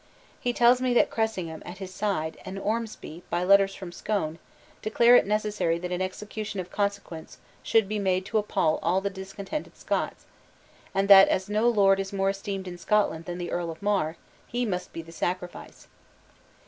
He tells me that Cressingham, at his side, and Ormsby, by letters from Scone, declare it necessary that an execution of consequence should be made to appall the discontented Scots; and that as no lord is more esteemed in Scotland than the Earl of Mar, he must be the sacrifice.